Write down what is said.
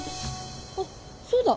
あそうだ！